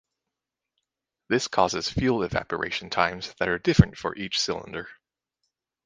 This causes fuel evaporation times that are different for each cylinder.